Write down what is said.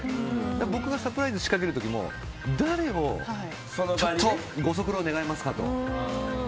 僕がサプライズを仕掛ける時もご足労願いますかと。